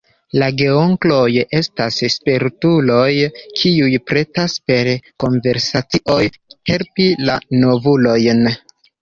La geonkloj estas spertuloj, kiuj pretas per konversacio helpi la novulojn.